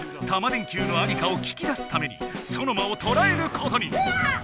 電Ｑのありかを聞き出すためにソノマをとらえることに！